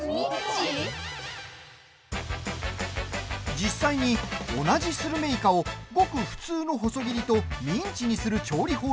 実際に、同じスルメイカをごく普通の細切りとミンチにする調理法に分け